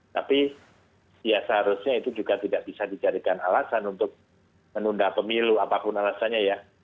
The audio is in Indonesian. tapi ya seharusnya itu juga tidak bisa dijadikan alasan untuk menunda pemilu apapun alasannya ya